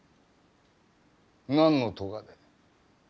何のとがで？